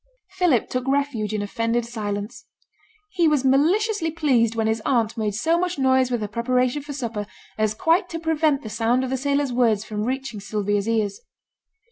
Philip took refuge in offended silence. He was maliciously pleased when his aunt made so much noise with her preparation for supper as quite to prevent the sound of the sailor's words from reaching Sylvia's ears.